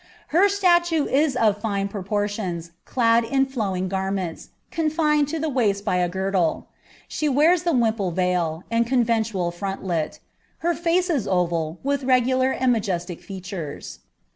Her statue is of fine proportions, clad in fiowing garment to the waist by a girdle. She wears ilie wimple veil, and frontlet. Her face is oval, with regular and majesiic feature*.'